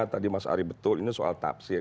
tadi mas ari betul ini soal tafsir